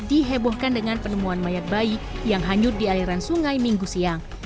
dihebohkan dengan penemuan mayat bayi yang hanyut di aliran sungai minggu siang